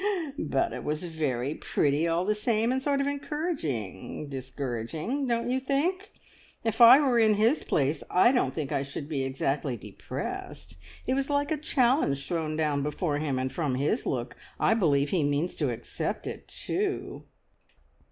"But it was very pretty all the same, and sort of encouraging discouraging, don't you think? If I were in his place I don't think I should be exactly depressed. It was like a challenge thrown down before him, and from his look I believe he means to accept it too!